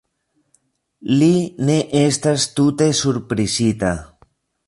Li ne estas tute surprizita.